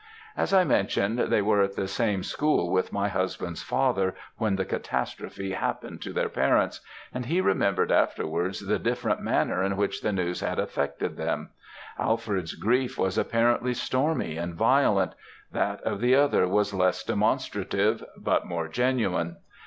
"As I mentioned, they were at the same school with my husband's father when the catastrophe happened to their parents, and he remembered afterwards the different manner in which the news had affected them; Alfred's grief was apparently stormy and violent; that of the other was less demonstrative, but more genuine.